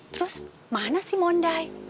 terus mana si mondai